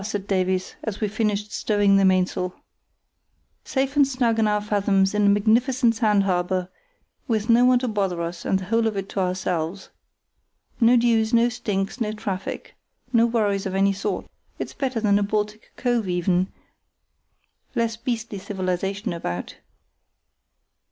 said Davies, as we finished stowing the mainsail, "safe and snug in four fathoms in a magnificent sand harbour, with no one to bother us and the whole of it to ourselves. No dues, no stinks, no traffic, no worries of any sort. It's better than a Baltic cove even, less beastly civilization about.